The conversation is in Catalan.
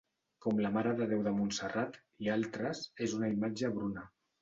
Com la Mare de Déu de Montserrat, i altres, és una imatge bruna.